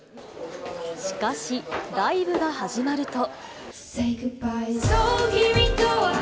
しかし、ライブが始まると。